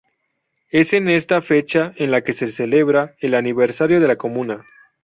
Es en esta fecha en la que se celebra el aniversario de la comuna.